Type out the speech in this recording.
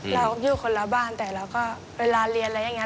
เราอยู่คนละบ้านแต่เราก็เวลาเรียนอะไรอย่างนี้